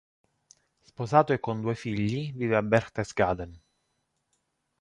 Sposato e con due figli, vive a Berchtesgaden.